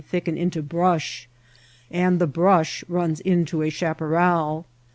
thicken into brush, and the brush runs into a chaparral.